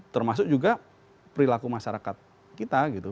termasuk juga perilaku masyarakat kita gitu